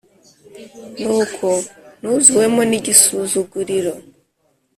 nuko nuzuwemo n’igisuzuguriro,